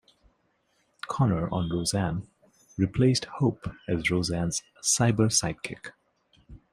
Conner on "Roseanne", replaced Hope as Roseanne's cyber sidekick.